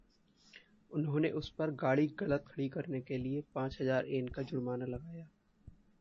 उन्होंने उसपर गाड़ी ग़लत खड़ी करने के लिए पाँच हज़ार येन का जुर्माना लगाया।